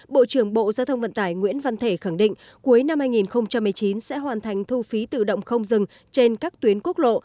bộ trưởng bộ giao thông vận tải nguyễn văn thể khẳng định cuối năm hai nghìn một mươi chín sẽ hoàn thành thu phí tự động không dừng trên các tuyến quốc lộ